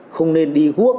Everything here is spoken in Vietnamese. không nên đi cuốc